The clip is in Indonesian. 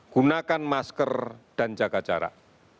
gunakan masker dan jaga jarak